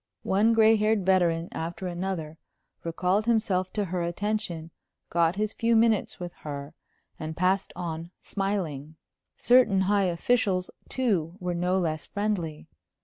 One gray haired veteran after another recalled himself to her attention, got his few minutes with her, and passed on smiling. Certain high officials, too, were no less friendly.